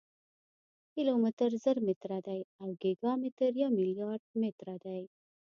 کیلومتر زر متره دی او ګیګا متر یو ملیارډ متره دی.